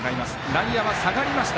内野は下がりました。